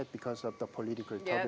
tabiat politik yang kita lakukan